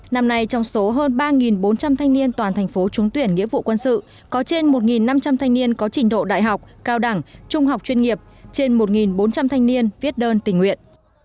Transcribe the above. năm nay trong số hơn ba bốn trăm linh thanh niên toàn thành phố trúng tuyển nghĩa vụ quân sự có trên một năm trăm linh thanh niên có trình độ đại học cao đẳng trung học chuyên nghiệp trên một bốn trăm linh thanh niên viết đơn tình nguyện